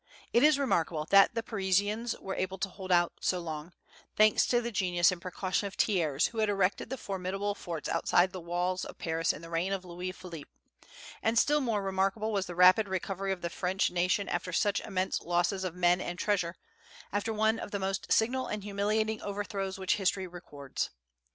It is remarkable that the Parisians were able to hold out so long, thanks to the genius and precaution of Thiers, who had erected the formidable forts outside the walls of Paris in the reign of Louis Philippe; and still more remarkable was the rapid recovery of the French nation after such immense losses of men and treasure, after one of the most signal and humiliating overthrows which history records.